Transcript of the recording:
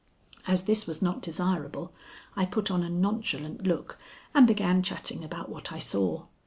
As this was not desirable, I put on a nonchalant look and began chatting about what I saw.